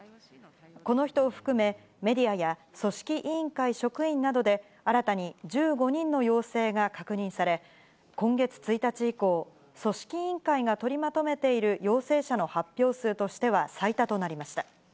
この人を含め、メディアや組織委員会職員などで新たに１５人の陽性が確認され、今月１日以降、組織委員会が取りまとめている陽性者の発表数としては最多となりました。